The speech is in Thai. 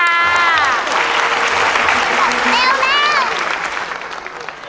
เร็วเร็ว